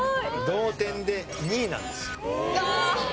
同点で２位なんです。ああ！